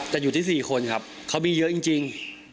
จะหยุดที่๔คนครับเขามีเยอะจริง